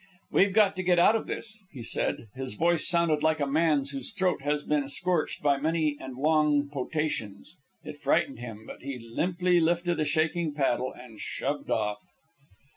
"We've got to get out of this," he said. His voice sounded like a man's whose throat has been scorched by many and long potations. It frightened him, but he limply lifted a shaking paddle and shoved off.